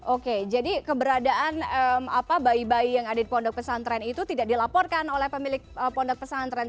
oke jadi keberadaan bayi bayi yang ada di pondok pesantren itu tidak dilaporkan oleh pemilik pondok pesantren